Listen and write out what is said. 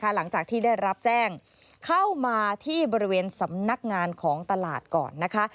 หลังจากที่ได้รับแจ้งเข้ามาที่บริเวณสำนักงานของตลาดก่อนนะคะ